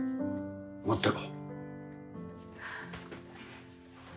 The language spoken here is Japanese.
待ってろ。